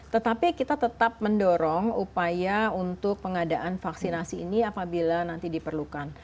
tetapi kita tetap mendorong upaya untuk pengadaan vaksinasi ini apabila nanti diperlukan